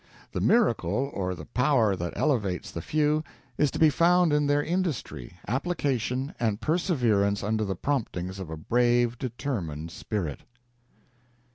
The miracle, or the power that elevates the few, is to be found in their industry, application, and perseverance under the promptings of a brave, determined spirit.